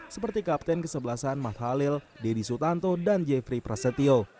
seperti kapten kesebelasan mah halil deddy sutanto dan jeffrey prasetyo